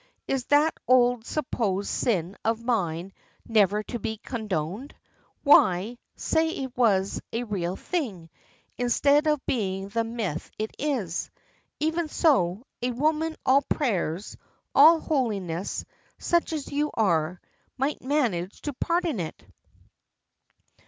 Is that old supposed sin of mine never to be condoned? Why say it was a real thing, instead of being the myth it is. Even so, a woman all prayers, all holiness, such as you are, might manage to pardon it!"